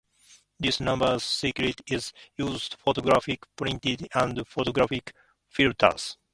This numbering scheme is used in photographic printing and photographic filters.